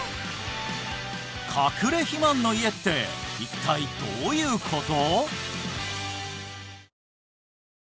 隠れ肥満の家って一体どういうこと！？